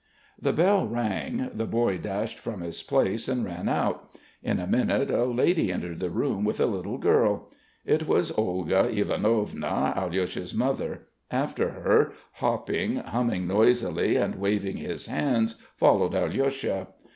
The bell rang. The boy dashed from his place and ran out. In a minute a lady entered the room with a little girl. It was Olga Ivanovna, Alyosha's mother. After her, hopping, humming noisily, and waving his hands, followed Alyosha.